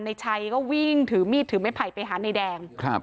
ในชัยก็วิ่งถือมีดถือไม้ไผ่ไปหานายแดงครับ